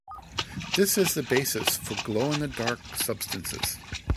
This is the basis for "glow in the dark" substances.